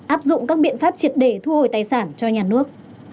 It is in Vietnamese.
áp dụng các biện pháp triệt để thu hồi tài sản cho nhà nước